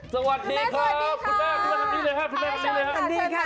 สวัสดีค่ะ